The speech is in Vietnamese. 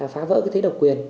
phá vỡ cái thế độc quyền